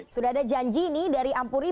sudah ada janji nih dari ampuri